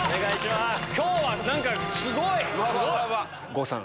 今日は何かすごい！郷さん